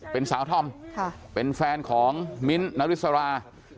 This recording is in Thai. เป็นสาวธอมเป็นแฟนของมิ้นท์นาริสรา